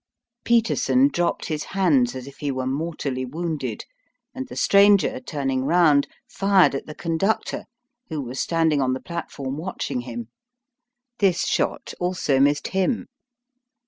Peterson dropped his hands as if he were mortally wounded, and the stranger, turning round, fired at the conductor, who was standing on the platform watching him. This shot also missed him.